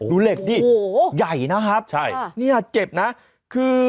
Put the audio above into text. ดูเลขนี่ใหญ่นะครับนี่อาจเจ็บนะคือ